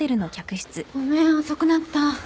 ごめん遅くなった。